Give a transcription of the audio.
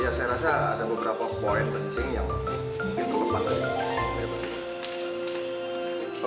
ya saya rasa ada beberapa poin penting yang mungkin perlu dilakukan